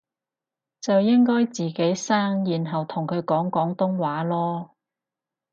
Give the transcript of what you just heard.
就應該自己生然後同佢講廣東話囉